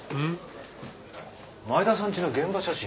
前田さんちの現場写真。